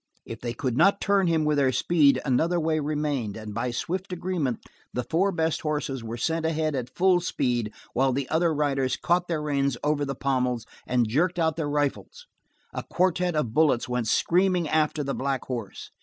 If they could not turn him with their speed another way remained, and by swift agreement the four best horses were sent ahead at full speed while the other riders caught their reins over the pommels and jerked out their rifles; a quartet of bullets went screaming after the black horse.